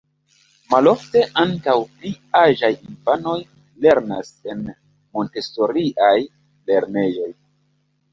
Malofte ankaŭ pli aĝaj infanoj lernas en Montesoriaj lernejoj.